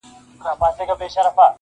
• په هغه شپه یې د مرګ پر لور روان کړل -